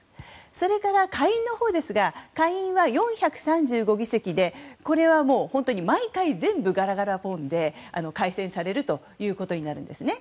それから下院のほうですが下院は４３５議席でこれは毎回全部ガラガラポンで改選されるということになるんですね。